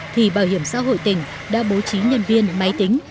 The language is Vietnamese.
thì bảo hiểm xã hội tỉnh đã bố trí nhân viên máy tính